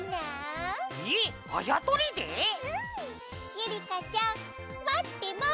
ゆりかちゃんまってます！